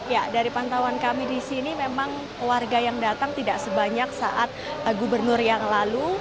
ya dari pantauan kami di sini memang warga yang datang tidak sebanyak saat gubernur yang lalu